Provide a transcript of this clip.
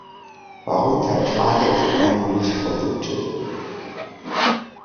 Warum vertrage ich keine Milchprodukte?